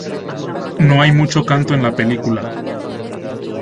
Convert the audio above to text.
No hay mucho canto en la película.